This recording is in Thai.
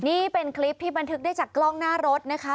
นี่เป็นคลิปที่บันทึกได้จากกล้องหน้ารถนะคะ